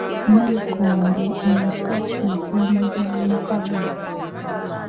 Nnayikondo empya ezimbibwa mu kabuga.